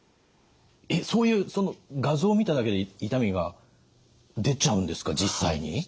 えっそういうその画像を見ただけで痛みが出ちゃうんですか実際に？